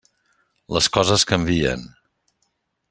Les coses canvien.